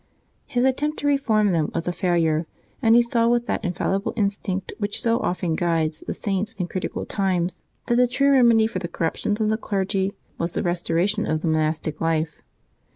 His attempt to reform them was a failure; and he saw, with that infallible instinct which so often guides the Saints in critical times, that the true remedy for the corruptions of the clergy was the restora tion of the monastic life.